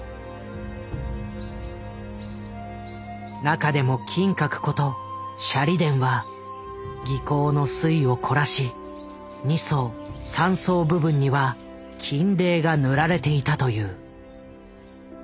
中でも「金閣」こと舎利殿は技巧の粋を凝らし２層３層部分には金泥が塗られていたという。